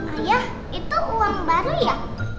ayah itu uang baru ya